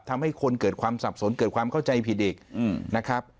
ทำให้คนเกิดความสับสนเกิดความเข้าใจผิดอีกนะครับ